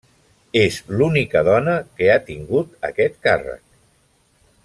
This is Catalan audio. És l'única dona que ha tingut aquest càrrec.